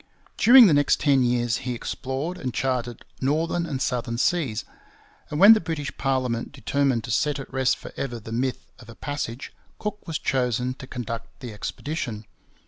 During the next ten years he explored and charted northern and southern seas; and when the British parliament determined to set at rest for ever the myth of a passage, Cook was chosen to conduct the expedition.